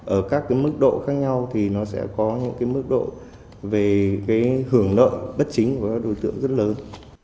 ở các mức độ khác nhau thì nó sẽ có những mức độ về hưởng nợ bất chính của các đối tượng rất lớn